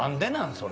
それ。